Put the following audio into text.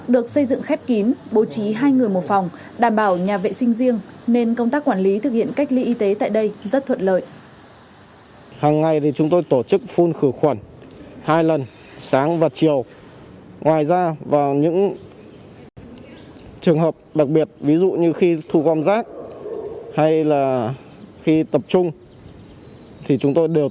dù gom rác hay là khi tập trung thì chúng tôi đều tổ chức phun khử khuẩn các khu vực